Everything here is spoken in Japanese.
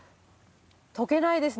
とけないですね。